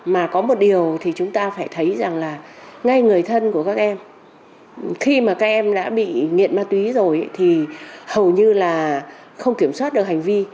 mà có một điều thì chúng ta phải thấy rằng là ngay người thân của các em khi mà các em đã bị nghiện ma túy rồi thì hầu như là không kiểm soát được hành vi